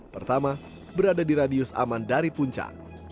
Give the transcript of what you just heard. pertama berada di radius aman dari puncak